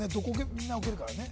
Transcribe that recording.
みんな置けるからね